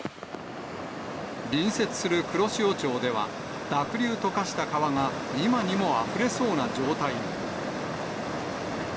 隣接する黒潮町では、濁流と化した川が、今にもあふれそうな状態に。